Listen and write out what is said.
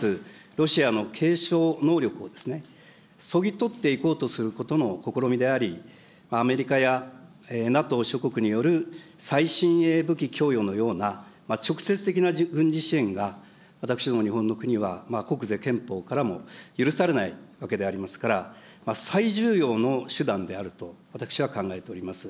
ロシアのけいしょう能力を削ぎ取っていこうとすることの試みであり、アメリカやＮＡＴＯ諸国による最新鋭武器供与のような直接的な軍事支援が私ども日本の国は国是憲法からも許されないわけでありますから、最重要の手段であると、私は考えております。